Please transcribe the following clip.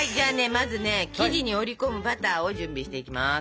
まずね生地に折り込むバターを準備していきます。